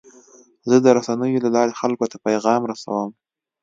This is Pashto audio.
زه د رسنیو له لارې خلکو ته پیغام رسوم.